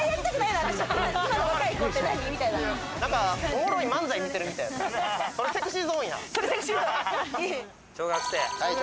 おもろい漫才見てるみたいや。